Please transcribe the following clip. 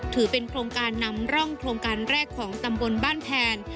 ถือเป็นโครงการนำร่องโครงการแรกของตำบลบ้านแพน